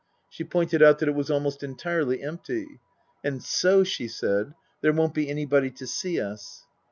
She pointed out that it was almost entirely empty. " And so," she said, " there won't be anybody to see us."